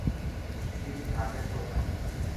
তিনি থাকেন কোথায়?